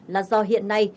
là do hiện nay